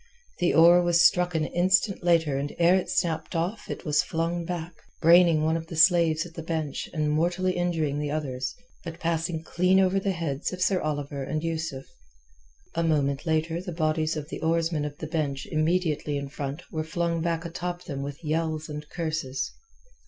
The oar was struck an instant later and ere it snapped off it was flung back, braining one of the slaves at the bench and mortally injuring the others, but passing clean over the heads of Sir Oliver and Yusuf. A moment later the bodies of the oarsmen of the bench immediately in front were flung back atop of them with yells and curses.